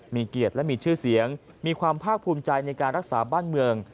มีเกียรติและมีชื่อเสียงมีความภาคภูมิใจในการรักษาบ้านเมือง